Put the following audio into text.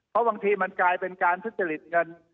เพราะบางทีมันกลายเป็นการทุจริตเงิน